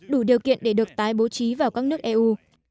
đủ điều kiện để được tái bố trí vào các nước eu